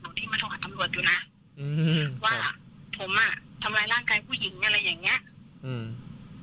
ที่มาโทรหาตำรวจอยู่น่ะอืมว่าผมอ่ะทำร้ายร่างกายผู้หญิงอะไรอย่างเงี้ยอืม